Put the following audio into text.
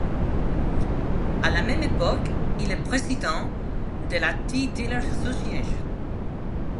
À la même époque, il est président de la Tea Dealers Association.